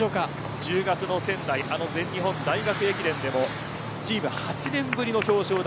１０月の全日本大学駅伝でもチームは８年ぶりの表彰台。